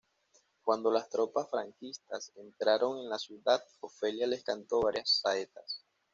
Cuando las tropas franquistas entraron en la ciudad, Ofelia les cantó varias saetas.